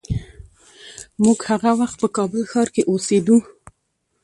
موږ هغه وخت په کابل ښار کې اوسېدو.